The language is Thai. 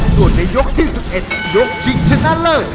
ส่วนในยกที่๑๑ยกชิงชนะเลิศ